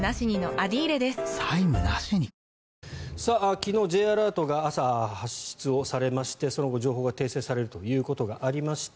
昨日、Ｊアラートが朝、発出されましてその後、情報が訂正されるということがありました。